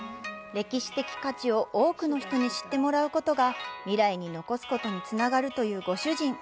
歴史的価値を多くの人に知ってもらうことが、未来に残すことにつながると言うご主人。